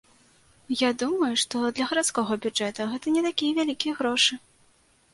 Я думаю, што для гарадскога бюджэта гэта не такія вялікія грошы.